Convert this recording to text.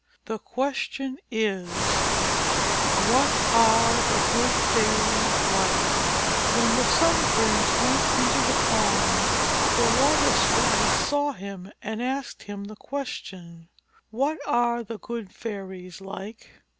The question is, What are the Good Fairies like ?'" The Sun Prince went into the pond. When the Sun Prince went into the pond the water sprite saw him and asked him the question, "What are the Good Fairies like